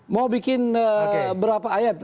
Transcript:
mau bikin berapa ayat